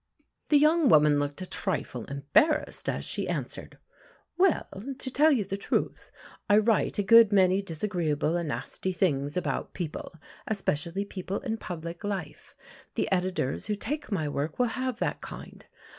The young woman looked a trifle embarrassed, as she answered: "Well, to tell you the truth, I write a good many disagreeable and nasty things about people, especially people in public life. The editors who take my work will have that kind.